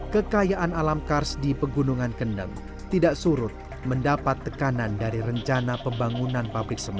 kekayaan alam kars di pegunungan kendeng tidak surut mendapat tekanan dari rencana pembangunan pabrik semen